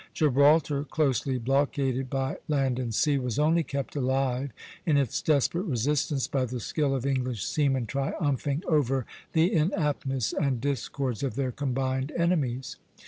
Gibraltar, closely blockaded by land and sea, was only kept alive in its desperate resistance by the skill of English seamen triumphing over the inaptness and discords of their combined enemies.